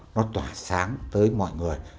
nó tỏa sáng tới mọi người